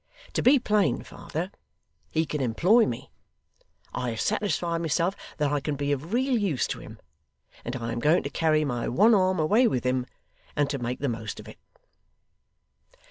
To be plain, father, he can employ me; I have satisfied myself that I can be of real use to him; and I am going to carry my one arm away with him, and to make the most of it.